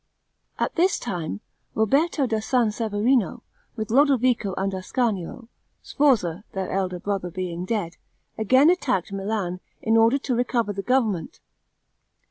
At this time Roberto da San Severino, with Lodovico and Ascanio (Sforza their elder brother being dead) again attacked Milan, in order to recover the government.